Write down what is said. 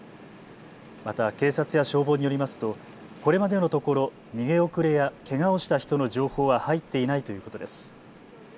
また警察や消防によりますとこれまでのところ逃げ遅れやけがをした人の情報は入っていないということです。